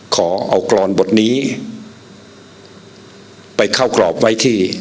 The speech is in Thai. ขอเอากรอนบทนี้ไปเข้ากรอบไว้ที่